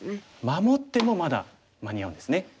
守ってもまだ間に合うんですね。